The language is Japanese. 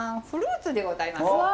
フルーツでございます。